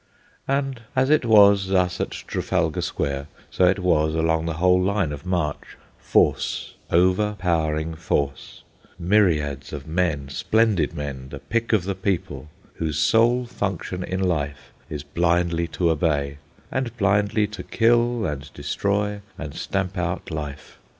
And as it was thus at Trafalgar Square, so was it along the whole line of march—force, overpowering force; myriads of men, splendid men, the pick of the people, whose sole function in life is blindly to obey, and blindly to kill and destroy and stamp out life.